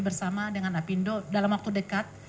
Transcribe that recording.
bersama dengan apindo dalam waktu dekat